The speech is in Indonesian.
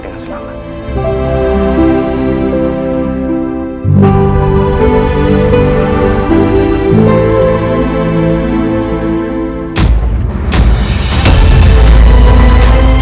kembali dengan senang